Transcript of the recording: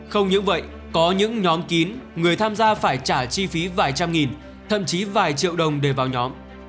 không những vậy có những nhóm kín người tham gia phải trả chi phí vài trăm nghìn thậm chí vài triệu đồng để vào nhóm